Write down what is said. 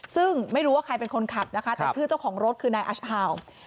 ซึ่งไม่รู้ว่าใครเป็นคนขับนะคะแต่ชื่อเจ้าของรถคือนายอัชฮาว